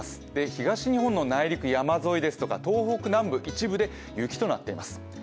東日本の内陸、山沿いとか南部で一部で雪となっています。